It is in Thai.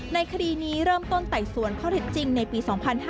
คดีนี้เริ่มต้นไต่สวนข้อเท็จจริงในปี๒๕๕๙